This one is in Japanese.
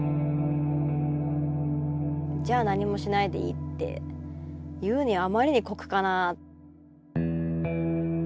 じゃあ何もしないでいいって言うにはあまりに酷かな。